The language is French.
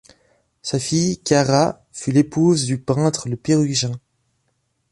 Sa fille Chiara fut l'épouse du peintre Le Pérugin.